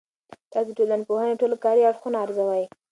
تاسو د ټولنپوهنې ټول کاري اړخونه ارزوي؟